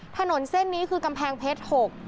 ถนนเส้นนี้คือกำแพงเพชร๖